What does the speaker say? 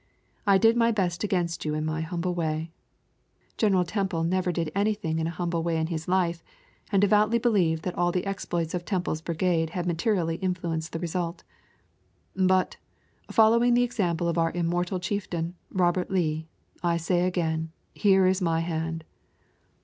I did my best against you in my humble way" General Temple never did anything in a humble way in his life, and devoutly believed that the exploits of Temple's Brigade had materially influenced the result "but, following the example of our immortal chieftain, Robert Lee, I say again, here is my hand."